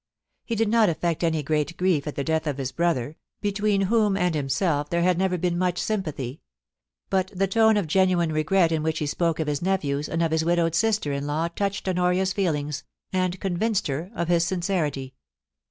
He did not affect any great grief at the death of his brother, between whom and himself there had never been much sympathy ; but the tone of genuine regret in which he spoke of his nephews and of his widowed sister in law touched Honoria's feelings, and convinced her of his sincerity.